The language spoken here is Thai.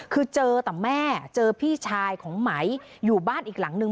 คือเจอแต่แม่เจอพี่ชายของไหมอยู่บ้านอีกหลังนึง